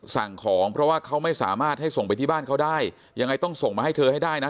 สั่งของเพราะว่าเขาไม่สามารถให้ส่งไปที่บ้านเขาได้ยังไงต้องส่งมาให้เธอให้ได้นะ